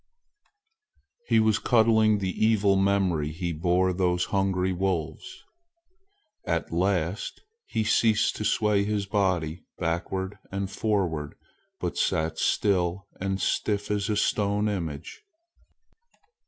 He was cuddling the evil memory he bore those hungry wolves. At last he ceased to sway his body backward and forward, but sat still and stiff as a stone image.